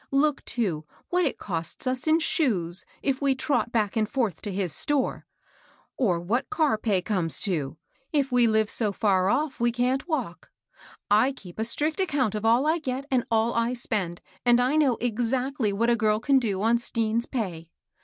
Look, too, what it costs as in shoes, if we trot back and forth to his store ; or what car pay comes to, if we live so &.r off we can't walk* I keep a strict account of all I get and all I spend, and I know exactly what a girl can do on Stean's pay.